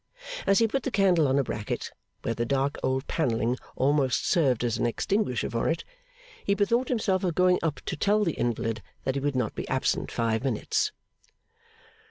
As he put the candle on a bracket, where the dark old panelling almost served as an extinguisher for it, he bethought himself of going up to tell the invalid that he would not be absent five minutes.